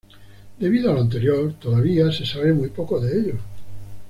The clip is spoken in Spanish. Debido a lo anterior, todavía se sabe muy poco de ellos.